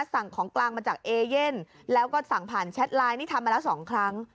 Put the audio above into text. สั่งของกลางมาจากเอเย่นแล้วก็สั่งผ่านแชทไลน์นี่ทำมาแล้ว๒ครั้ง